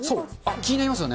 気になりますよね。